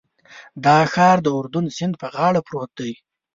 دا ښار د اردن سیند په غاړه پروت دی.